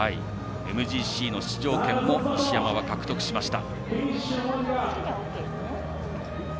ＭＧＣの出場権も西山は獲得しました。